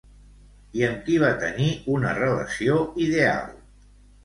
I amb qui va tenir una relació ideal?